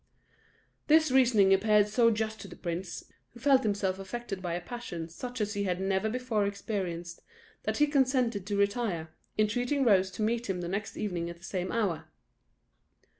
This reasoning appeared so just to the prince, who felt himself affected by a passion such as he had never before experienced, that he consented to retire, entreating Rose to meet him the next evening at the same hour.